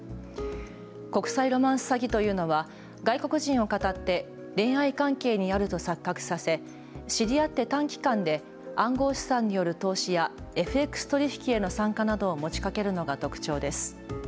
国際ロマンス詐欺というのは外国人をかたって恋愛関係にあると錯覚させ知り合って短期間で暗号資産による投資やＦＸ取引への参加などを持ちかけるのが特徴です。